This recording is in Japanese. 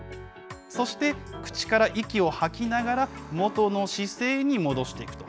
そして、口から息を吐きながら、もとの姿勢に戻していくと。